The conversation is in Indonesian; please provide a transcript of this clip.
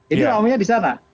ini namanya di sana